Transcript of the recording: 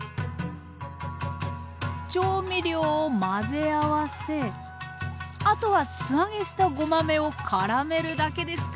調味料を混ぜ合わせあとは素揚げしたごまめを絡めるだけですか。